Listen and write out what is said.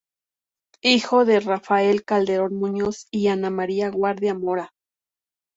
Hijo de Rafael Calderón Muñoz y Ana María Guardia Mora.